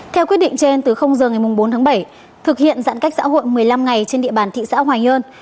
theo quyết định trên từ giờ ngày bốn tháng bảy thực hiện giãn cách xã hội một mươi năm ngày trên địa bàn thị xã hoài nhơn